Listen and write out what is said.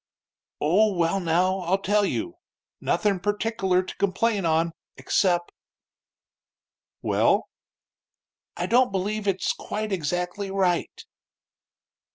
"Oh, well, now, I'll tell you. Nothin' pertickler to complain on, excep' " "Well?" "I don't believe it's quite exactly right."